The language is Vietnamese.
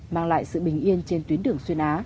mang lại sự bình yên trên tuyến đường xuyên á